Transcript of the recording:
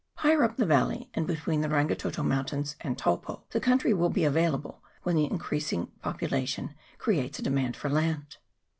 Higher up the valley, and between the Rangitoto mountains and Taupo, the country will be available, when the increasing population creates a demand for land.